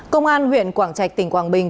công an huyện quảng trạch tỉnh quảng bình